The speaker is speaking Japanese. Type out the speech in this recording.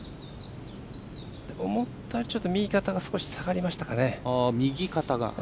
思ったより、ちょっと右肩が下がりましたかね。